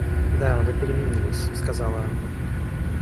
Да, вы переменились, — сказала Анна.